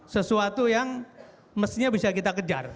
sesuatu yang mestinya bisa kita kejar